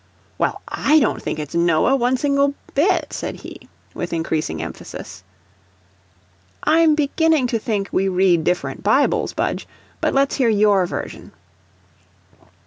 "Well, I don't think it's Noah one single bit," said he, with increasing emphasis. "I'm beginning to think we read different Bibles, Budge; but let's hear YOUR version."